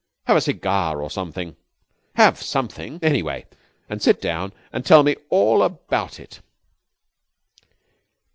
Have a cigar or something. Have something, anyway, and sit down and tell me all about it."